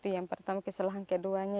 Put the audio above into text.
yang pertama kesalahan keduanya